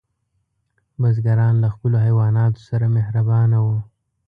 بزګران له خپلو حیواناتو سره مهربانه وو.